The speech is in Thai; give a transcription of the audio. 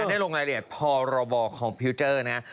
ได้ลงรายละเอียดพรบคอมพิวเจอร์นะ